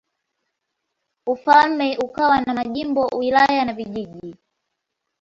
Ufalme ukawa na majimbo, wilaya na vijiji.